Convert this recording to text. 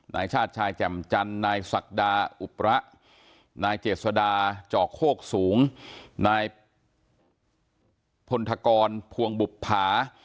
นายชาติชายแจ่มจันทร์นายศักดาอุประนายเจษดาจอกโคกสูงนายพลธกรภวงบุภา